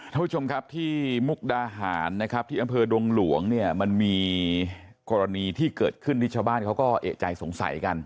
ท่านผู้ชมครับที่มุกดาหารนะครับที่อำเภอดงหลวงเนี่ยมันมีกรณีที่เกิดขึ้นที่ชาวบ้านเขาก็เอกใจสงสัยกัน